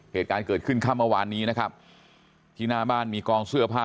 เหตุการณ์เกิดขึ้นค่ำเมื่อวานนี้นะครับที่หน้าบ้านมีกองเสื้อผ้า